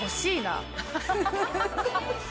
・ハハハ・